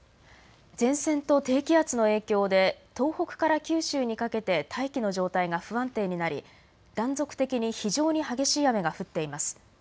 前線と低気圧の影響で東北から九州にかけて大気の状態が不安定になり断続的に非常に激しい雨が降っています。